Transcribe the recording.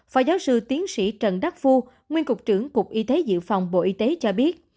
phó giáo sư tiến sĩ trần đắc phu nguyên cục trưởng cục y tế dự phòng bộ y tế cho biết